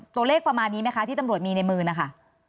ประมาณนี้ไหมคะที่ตำรวจมีในมือนะคะ